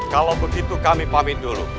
kalau begitu kami pamit dulu